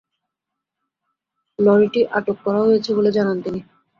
লরিটি আটক করা হয়েছে বলে জানান তিনি।